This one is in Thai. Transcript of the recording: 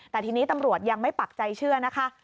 แต่ทีนี้ตำรวจยังไม่ปักใจเชื่อนะคะ